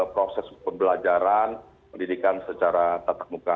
proses pembelajaran pendidikan secara tatap muka